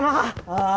ああ。